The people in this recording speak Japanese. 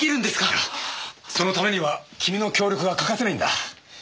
いやそのためには君の協力が欠かせないんだ。